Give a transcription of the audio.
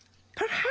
ハハハ！